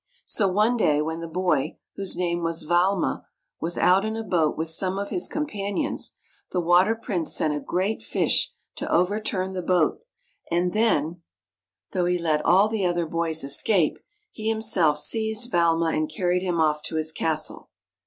So one day when the boy, whose name was Valma, was out in a boat with some of his companions, the Water Prince sent a great fish to overturn the boat, and then, though he let all the other boys escape, he himself seized Valma and carried him off to his castle.